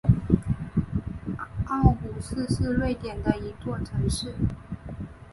奥胡斯是瑞典的一座城市。